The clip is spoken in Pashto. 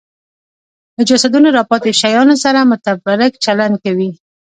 له جسدونو راپاتې شیانو سره متبرک چلند کوي